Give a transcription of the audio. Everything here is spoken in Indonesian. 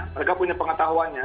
mereka punya pengetahuannya